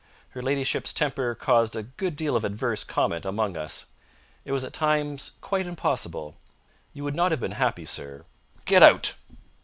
Her ladyship's temper caused a good deal of adverse comment among us. It was at times quite impossible. You would not have been happy, sir!" "Get out!"